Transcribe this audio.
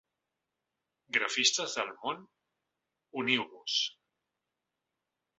Grafistes del món, uniu-vos!